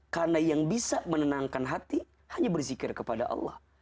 karena yang bisa menenangkan hati hanya berzikir kepada allah